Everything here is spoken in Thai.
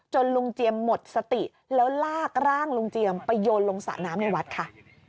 ลุงเจียมหมดสติแล้วลากร่างลุงเจียมไปโยนลงสระน้ำในวัดค่ะ